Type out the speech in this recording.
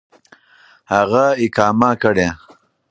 هغه اقامه كړي .